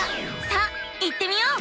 さあ行ってみよう！